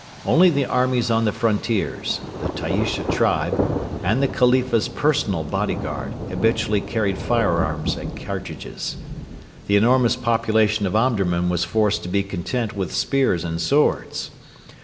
Only the armies on the frontiers, the Taaisha tribe, and the khalifa's personal bodyguard habitually carried firearms and cartridges. The enormous population of Omdurman was forced to be content with spears and swords.